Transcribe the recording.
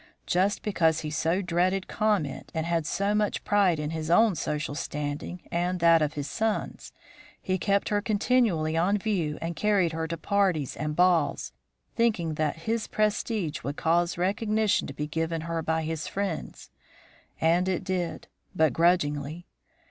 Just because he so dreaded comment and had so much pride in his own social standing and that of his sons, he kept her continually on view and carried her to parties and balls, thinking that his prestige would cause recognition to be given her by his friends. And it did but grudgingly!